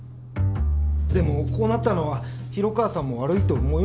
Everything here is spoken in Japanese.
でもこうなったのは広川さんも悪いと思いますよ。